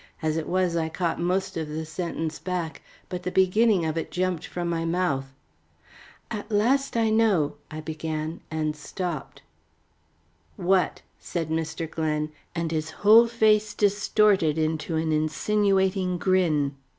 As it was I caught most of the sentence back. But the beginning of it jumped from my mouth. "At last I know" I began and stopped. "What?" said Mr. Glen, with his whole face distorted into an insinuating grin.